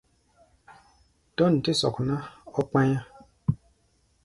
Dɔ̂n tɛ́ sɔk ná, ɔ́ kpá̧yá̧.